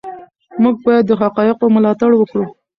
موږ باید د حقایقو ملاتړ وکړو.